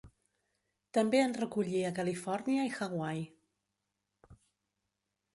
També en recollí a Califòrnia i Hawaii.